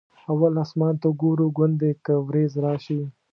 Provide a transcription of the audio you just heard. اول اسمان ته ګورو ګوندې که ورېځ راشي.